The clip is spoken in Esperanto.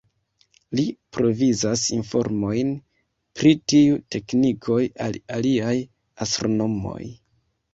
Li provizas informojn pri tiu teknikoj al aliaj astronomoj.